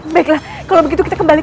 baiklah kalau begitu kita kembali